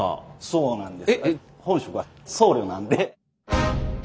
そうなんです。